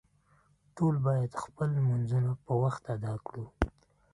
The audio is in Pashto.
ټول باید خپل لمونځونه په وخت ادا کړو